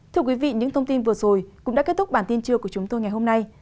thưa quý vị những thông tin vừa rồi cũng đã kết thúc bản tin trưa của chúng tôi ngày hôm nay